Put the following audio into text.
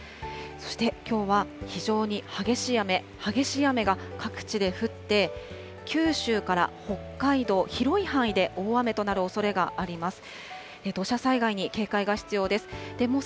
そしてきょうは、非常に激しい雨、激しい雨が各地で降って、九州から北海道、広い範囲で大雨となるおそれがあります。